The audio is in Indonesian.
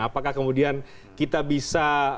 apakah kemudian kita bisa